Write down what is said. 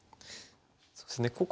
そうですね